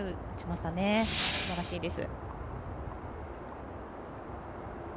すばらしいです。